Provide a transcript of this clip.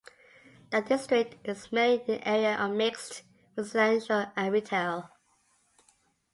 The district is mainly an area of mixed residential and retail.